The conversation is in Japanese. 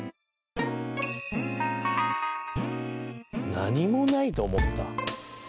「何もないと思った」